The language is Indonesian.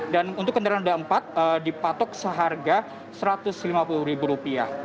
dan untuk kendaraan roda empat dipatok seharga satu ratus lima puluh ribu rupiah